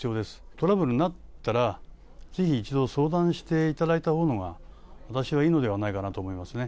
トラブルになったら、ぜひ一度、相談していただいたほうが私はいいのではないかなと思いますね。